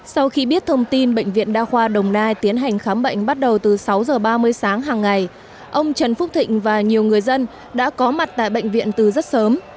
sau khi biết thông tin bệnh viện đa khoa đồng nai tiến hành khám bệnh bắt đầu từ sáu h ba mươi sáng hàng ngày ông trần phúc thịnh và nhiều người dân đã có mặt tại bệnh viện từ rất sớm